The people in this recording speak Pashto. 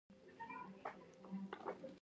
د ښوونځي نظم د زده کړې د بریا اساس و.